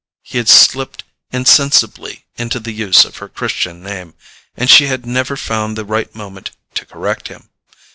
He had slipped insensibly into the use of her Christian name, and she had never found the right moment to correct him.